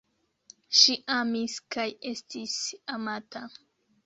Ŝi amis kaj estis amata.